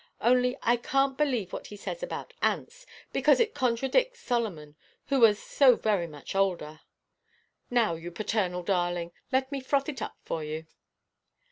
Only I canʼt believe what he says about ants, because it contradicts Solomon, who was so very much older. Now, you paternal darling, let me froth it up for you."